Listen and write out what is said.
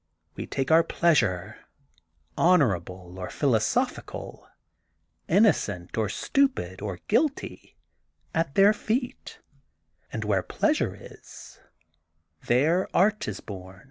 ^*' We take our pleasure, honorable, or philo sophical, innocent or stupid or guilty, at their feet, and where pleasure is, there art is bom.